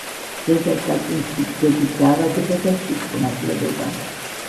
ზედა სასუნთქი გზების დაავადება და სისხლნაკლებობა.